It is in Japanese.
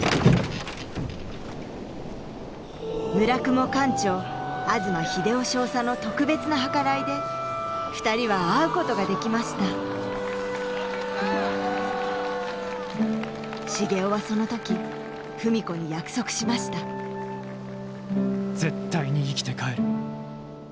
叢雲艦長東日出夫少佐の特別な計らいで二人は会うことができました繁雄はその時文子に約束しました絶対に生きて帰る。